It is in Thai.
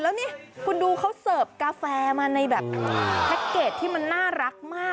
แล้วนี่คุณดูเขาเสิร์ฟกาแฟมาในแบบแพ็คเกจที่มันน่ารักมาก